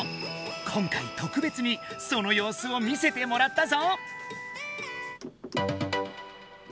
今回とくべつにそのようすを見せてもらったぞ！